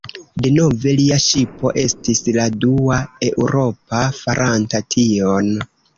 Denove lia ŝipo estis la dua eŭropa faranta tion.